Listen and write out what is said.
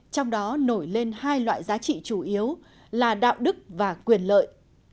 trong đó nổi lên hai loại giá trị chủ yếu là đạo đức và quyền lợi